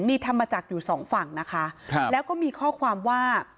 มีธรรมจักรอยู่สองฝั่งนะคะครับแล้วก็มีข้อความว่า